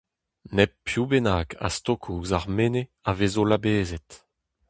Nep piv bennak a stoko ouzh ar Menez a vezo labezet.